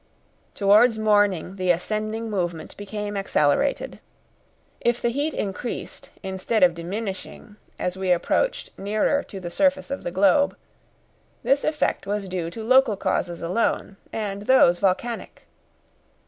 Towards morning the ascending movement became accelerated. If the heat increased, instead of diminishing, as we approached nearer to the surface of the globe, this effect was due to local causes alone, and those volcanic.